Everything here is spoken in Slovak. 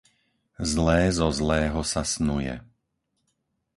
Zlé zo zlého sa snuje.